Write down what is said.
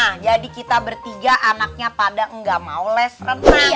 nah jadi kita bertiga anaknya pada nggak mau les renang